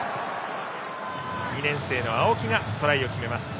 ２年生の青木がトライを決めます。